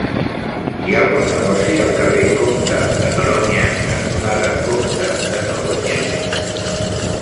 Hi ha algun negoci al carrer Comte de Noroña cantonada Comte de Noroña?